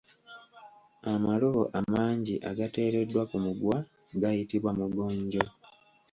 Amalobo amangi agateereddwa ku mugwa gayitibwa Mugonjo.